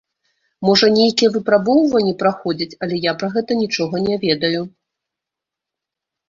Можа, нейкія выпрабоўванні праходзяць, але я пра гэта нічога не ведаю.